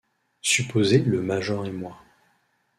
Supposez le major et moi…